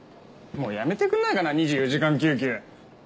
もうやめてくれないかな２４時間救急。